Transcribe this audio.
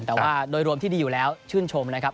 แต่ว่าโดยรวมที่ดีอยู่แล้วชื่นชมนะครับ